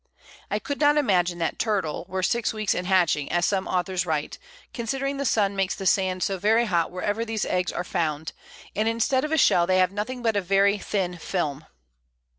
I could not imagine that Turtle were 6 Weeks in hatching, as some Authors write, considering the Sun makes the Sand so very hot wherever these Eggs are found, and instead of a Shell they have nothing but a very thin Film.